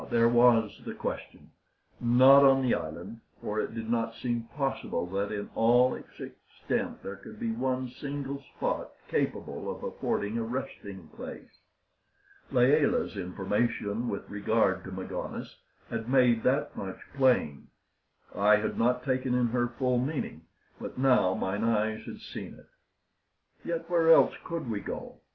there was the question! Not on the island, for it did not seem possible that in all its extent there could be one single spot capable of affording a resting place. Layelah's information with regard to Magones had made that much plain. I had not taken in her full meaning, but now mine eyes had seen it. Yet where else could we go?